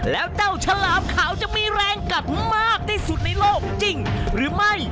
แล้วเจ้าฉลามขาวจะมีแรงกัดมากที่สุดในโลกจริงหรือไม่